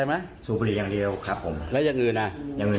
พูดอีกหรอชื่ออะไรนะ